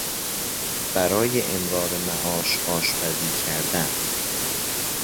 برای امرار معاش آشپزی کردن